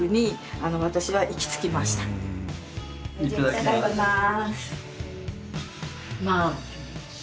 いただきます。